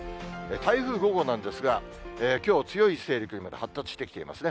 台風５号なんですが、きょう、強い勢力にまで発達してきていますね。